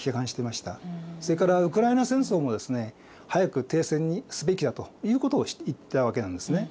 それからウクライナ戦争もですね早く停戦にすべきだということを言ってたわけなんですね。